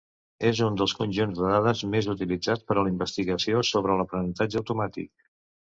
És un dels conjunts de dades més utilitzats per a la investigació sobre l'aprenentatge automàtic.